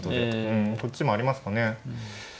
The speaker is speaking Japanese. うんこっちもありますかね。